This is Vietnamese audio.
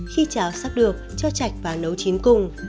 khi cháo sắp được cho chạch và nấu chín cùng